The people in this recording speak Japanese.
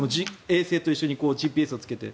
衛星と一緒にＧＰＳをつけて。